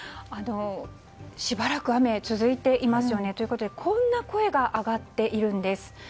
しばらく雨が続いていますよね。ということでこんな声が上がっているんです。